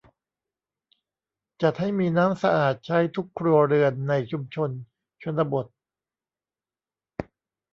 จัดให้มีน้ำสะอาดใช้ทุกครัวเรือนในชุมชนชนบท